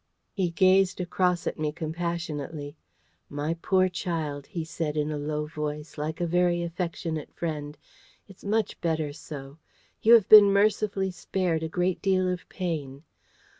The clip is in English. He gazed across at me compassionately. "My poor child," he said in a low voice, like a very affectionate friend, "it's much better so. You have been mercifully spared a great deal of pain.